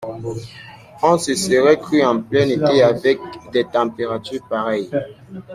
On se serait cru en plein été avec des températures pareilles.